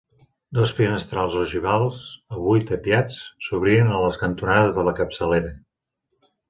Dos finestrals ogivals, avui tapiats, s'obrien a les cantonades de la capçalera.